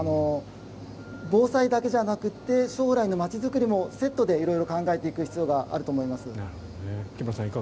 防災だけじゃなくて将来の街づくりもセットで色々考えていく必要があると思います。